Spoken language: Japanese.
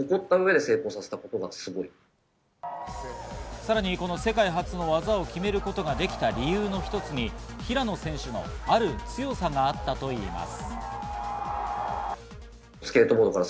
さらにこの世界初の技を決めることができた理由の一つに平野選手のある強さがあったといいます。